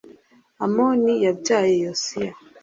Amoni yabyaye Yosiya